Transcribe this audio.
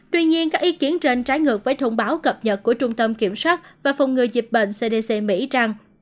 tuy nhiên các ý kiến trên trái ngược với thông báo cập nhật của trung tâm kiểm soát và phòng ngừa dịch bệnh cdc mỹ rằng